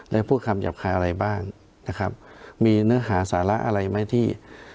ได้พูดคำหยาบคายอะไรบ้างนะครับมีเนื้อหาสาระอะไรไหมที่